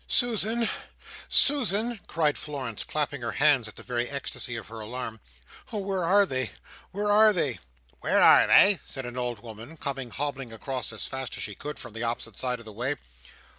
"Susan! Susan!" cried Florence, clapping her hands in the very ecstasy of her alarm. "Oh, where are they? where are they?" "Where are they?" said an old woman, coming hobbling across as fast as she could from the opposite side of the way.